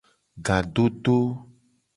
Ga dodo.